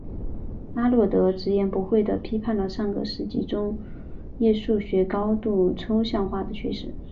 阿诺德直言不讳地批评了上个世纪中叶数学高度抽象化的趋势。